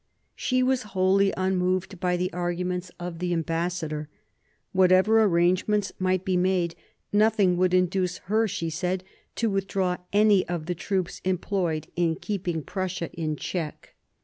She was wholly unmoved by the arguments of the ambassador. Whatever arrangements might be made, nothing would induce her, she said, to withdraw any of the troops employed in keeping Prussia in check.